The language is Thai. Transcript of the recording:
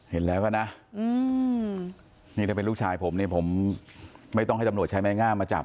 เห็นแล้วก็นะนี่ถ้าเป็นลูกชายผมเนี่ยผมไม่ต้องให้ตำรวจใช้ไม้งามมาจับ